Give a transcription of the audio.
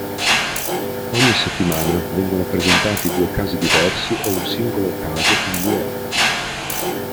Ogni settimana vengono presentati due casi diversi o un singolo caso in due atti.